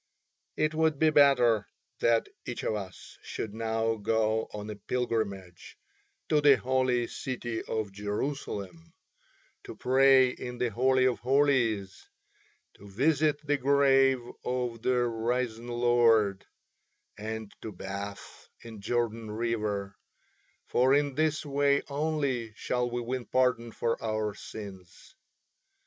It would be better that each of us should now go on a pilgrimage to the holy city of Jerusalem, to pray in the Holy of Holies, to visit the grave of the Risen Lord, and to bathe in Jordan river, for in this way only shall we win pardon for our sins.